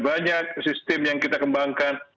banyak sistem yang kita kembangkan